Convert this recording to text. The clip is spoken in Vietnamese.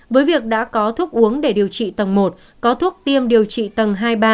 với việc đã có thuốc uống để điều trị tầng một có thuốc tiêm điều trị tầng hai ba